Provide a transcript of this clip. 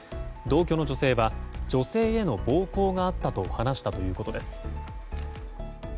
同居の女性は女性への暴行があったと話したということです。